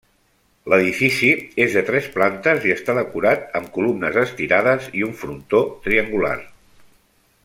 L'edifici és de tres plantes i està decorat amb columnes estirades i un frontó triangular.